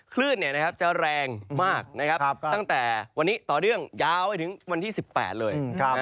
คลื่นจะแรงมากตั้งแต่วันนี้ต่อเนื่องยาวไปถึงวันที่๑๘เลย